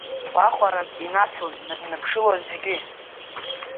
Гәахәарак инаҭон дназдыԥшылоз зегьы.